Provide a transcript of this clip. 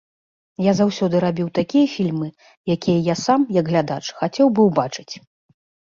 Я заўсёды рабіў такія фільмы, якія я сам, як глядач, хацеў бы ўбачыць.